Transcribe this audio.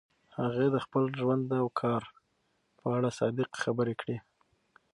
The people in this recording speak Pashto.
هغې د خپل ژوند او کار په اړه صادقې خبرې کړي.